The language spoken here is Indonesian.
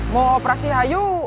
mau operasi hayu